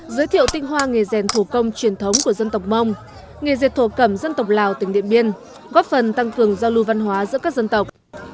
giới thiệu tinh hoa nghề rèn thủ công truyền thống của dân tộc mông nghề dệt thổ cẩm dân tộc lào tỉnh điện biên góp phần tăng cường giao lưu văn hóa giữa các dân tộc